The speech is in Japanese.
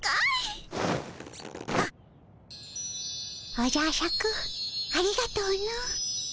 おじゃシャクありがとの。